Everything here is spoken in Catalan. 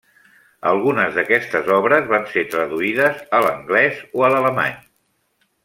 Algunes d'aquestes obres van ser traduïdes a l'anglès o a l'alemany.